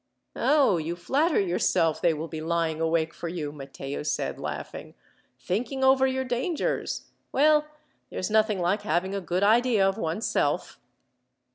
"Oh, you flatter yourself they will be lying awake for you," Matteo said, laughing. "Thinking over your dangers! Well, there's nothing like having a good idea of one's self."